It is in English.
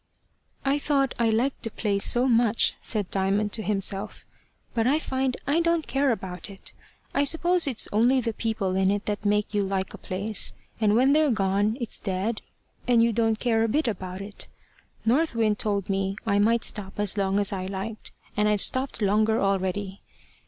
"I thought I liked the place so much," said Diamond to himself, "but I find I don't care about it. I suppose it's only the people in it that make you like a place, and when they're gone, it's dead, and you don't care a bit about it. North Wind told me I might stop as long as I liked, and I've stopped longer already.